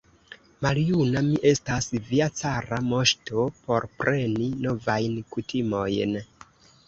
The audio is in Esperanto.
Maljuna mi estas, via cara moŝto, por preni novajn kutimojn!